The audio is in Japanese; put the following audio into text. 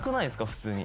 普通に。